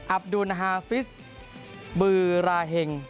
อับดุลฮาฟิสบือราเห็ง